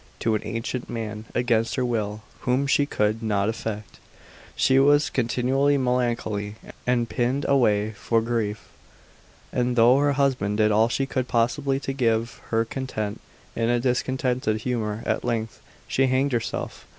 1, to an ancient man against her will, whom she could not affect; she was continually melancholy, and pined away for grief; and though her husband did all he could possibly to give her content, in a discontented humour at length she hanged herself.